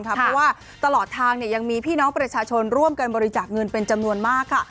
เพราะว่าตลอดทางยังมีพี่น้องประชาชนร่วมกันบริจาคเงินเป็นจำนวนมากค่ะ